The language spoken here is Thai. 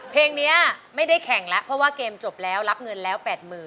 เพลงนี้ไม่ได้แข่งแล้วเพราะว่าเกมจบแล้วรับเงินแล้ว๘๐๐๐